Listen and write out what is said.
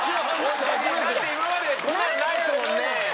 だって今までこんなのないですもんね。